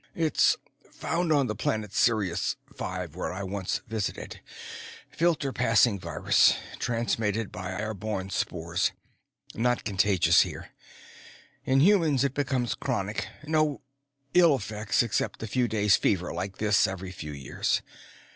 "It's found on the planet Sirius V, where I once visited. Filter passing virus, transmitted by airborne spores. Not contagious here. In humans it becomes chronic; no ill effects except a few days' fever like this every few years.